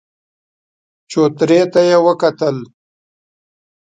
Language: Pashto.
چوترې ته يې وکتل.